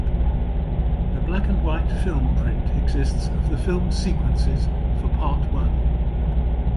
A black-and-white film print exists of the filmed sequences for Part One.